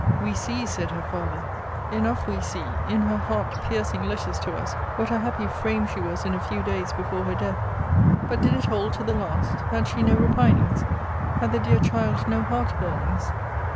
We see, said her father, enough we see, in her heart piercing letters to us, what a happy frame she was in a few days before her death But did it hold to the last? Had she no repinings? Had the dear child no heart burnings?